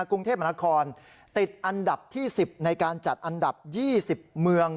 กรุงเทพมนาคอนติดอันดับที่๑๐ในการจัดอันดับ๒๐เมือง